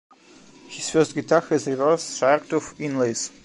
His first guitar has reverse sharktooth inlays.